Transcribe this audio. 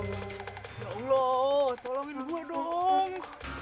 ya allah tolongin gue dong